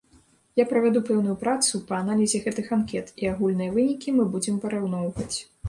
Я правяду пэўную працу па аналізе гэтых анкет і агульныя вынікі мы будзем параўноўваць.